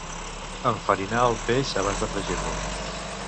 Enfarinar el peix abans de fregir-lo.